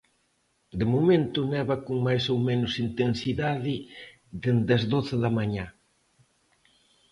De momento neva con máis ou menos intensidade dende as doce da mañá.